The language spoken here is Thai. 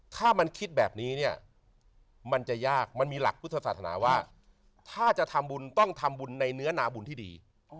ถ้ามันคิดแบบนี้เนี่ยมันจะยากมันมีหลักพุทธศาสนาว่าถ้าจะทำบุญต้องทำบุญในเนื้อนาบุญที่ดี